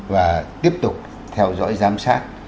và tiếp tục theo dõi giám sát